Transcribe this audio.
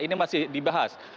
ini masih dibahas